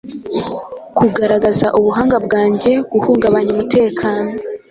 Kugaragaza ubuhanga bwanjye guhungabanya umutekano